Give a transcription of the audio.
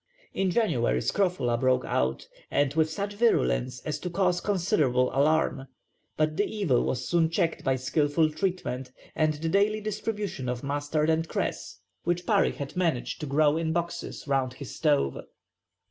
In January scrofula broke out, and with such virulence as to cause considerable alarm, but the evil was soon checked by skilful treatment and the daily distribution of mustard and cress, which Parry had managed to grow in boxes round his stove.